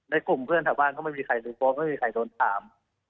ในกลุ่มเพื่อนข้างบ้านก็ไม่มีใครรู้เพราะไม่มีใครโดนถาม